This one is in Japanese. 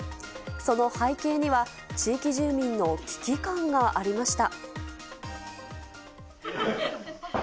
その背景には、地域住民の危機感がありました。